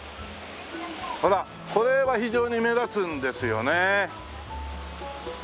ほらこれは非常に目立つんですよね。